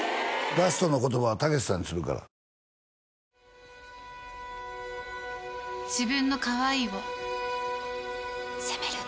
ラストの言葉はたけしさんにするから新！